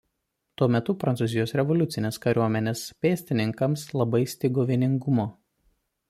Tuo metu Prancūzijos revoliucinės kariuomenės pėstininkams labai stigo vieningumo.